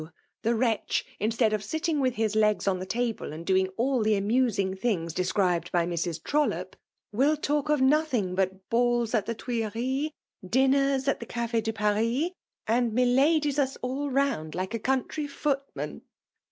— the wretch, instead of sitting with his legs on the table, and doing all the amusing things described by Mrs. TroUope, will talk of nothing but balls at the TuUeries,~ «dinneis at the Cafe de Paris ;— and " miladys us all 'round, like a country footman."